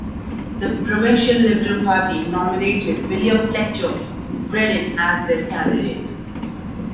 The provincial Liberal party nominated candidate William Fletcher Bredin as their candidate.